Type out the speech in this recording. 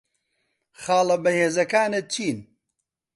خاڵە بەهێزەکانت چین؟